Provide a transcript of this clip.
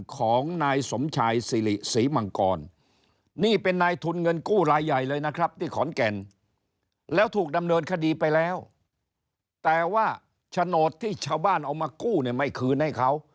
เขาถูกดำเนินคดีไปแล้วแต่ว่าโฉนดที่ชาวบ้านเอามากู้ไม่คืนให้เขา